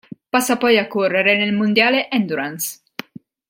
Passa poi a correre nel mondiale Endurance.